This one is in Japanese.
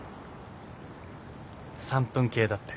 ３分計だって。